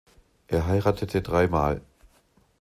Er heiratete dreimal.